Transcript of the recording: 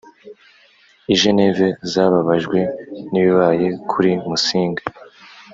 i Geneve zababajwe n ibibaye kuri Musinga